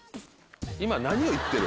今何を言ってる？